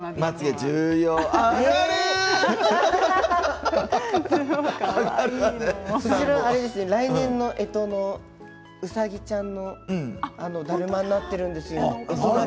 これは来年のえとのうさぎちゃんのだるまになっているんですよ。